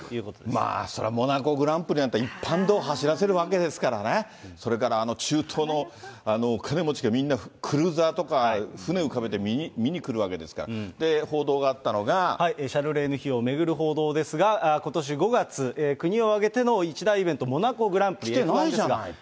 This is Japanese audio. まあそれはモナコ・グランプリって、一般道走らせるわけですからね、それから中東のお金持ちがみんな、クルーザーとか船浮かべて見に来るわけですから、報道があったのシャルレーヌ妃を巡る報道ですが、ことし５月、国を挙げての一大イベント、モナコ・グランプリ、来てないじゃないと。